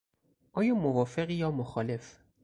آیا موافقی یا مخالف؟